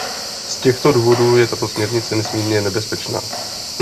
Z těchto důvodů je tato směrnice nesmírně nebezpečná.